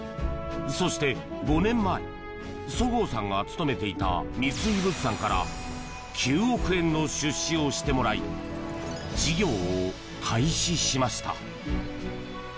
そして、５年前十河さんが勤めていた三井物産から９億円の出資をしてもらい事業を開始しました。